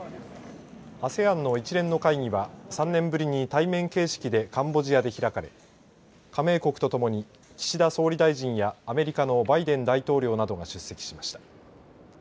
ＡＳＥＡＮの一連の会議は３年ぶりに対面形式でカンボジアで開かれ加盟国と共に岸田総理大臣やアメリカのバイデン大統領などが出席しました。